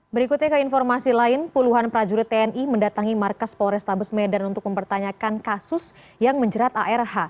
berikutnya ke informasi lain puluhan prajurit tni mendatangi markas polrestabes medan untuk mempertanyakan kasus yang menjerat arh